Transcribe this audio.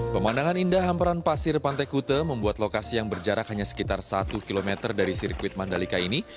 pemandangan indah hamperan pasir pantai kute membuat lokasi yang berjarak hanya sekitar satu km dari sirkuit mandalika ini